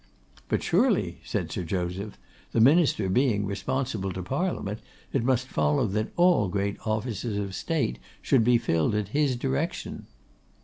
'But surely,' said Sir Joseph, 'the Minister being responsible to Parliament, it must follow that all great offices of State should be filled at his discretion.